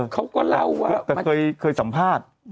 แต่เคยสัมภาษณ์